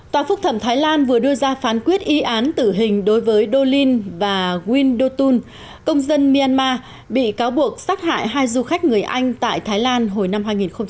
tòa phúc thẩm thái lan vừa đưa ra phán quyết y án tử hình đối với dolin và windotun công dân myanmar bị cáo buộc sát hại hai du khách người anh tại thái lan hồi năm hai nghìn một mươi